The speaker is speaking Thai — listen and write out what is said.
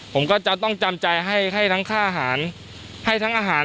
ผมก็จะต้องจำใจให้ทั้งค่าอาหารให้ทั้งอาหาร